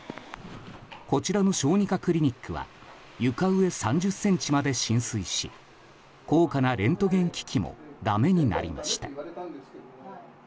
こちらの小児科クリニックは床上３０ｃｍまで浸水し高価なレントゲン機器もだめになりました。